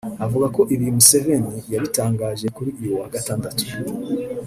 avuga ko ibi Museveni yabitangaje kuri uyu wa Gatandatu